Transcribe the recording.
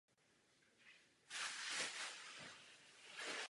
U některých druhů se může kanibalismus vyskytovat v rámci rodiny.